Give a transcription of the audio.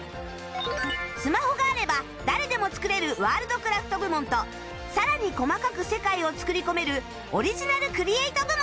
スマホがあれば誰でも作れるワールドクラフト部門とさらに細かく世界を作り込めるオリジナルクリエイト部門